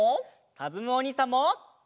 かずむおにいさんも！